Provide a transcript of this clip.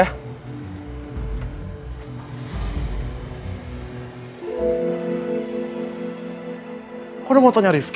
kok udah mau tanya riefki